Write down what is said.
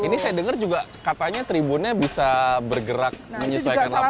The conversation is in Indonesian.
ini saya dengar juga katanya tribunnya bisa bergerak menyesuaikan lapangan